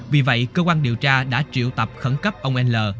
vì vậy cơ quan điều tra đã triệu tập khẩn cấp ông nl